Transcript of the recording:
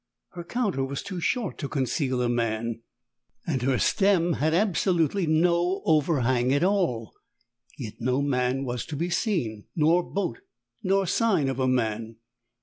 Her counter was too short to conceal a man, and her stem had absolutely no overhang at all; yet no man was to be seen, nor boat nor sign of a man.